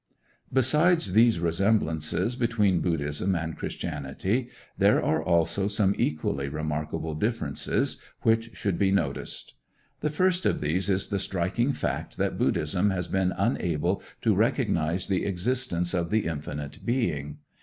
Besides these resemblances between Buddhism and Christianity, there are also some equally remarkable differences, which should be noticed. The first of these is the striking fact that Buddhism has been unable to recognize the existence of the Infinite Being.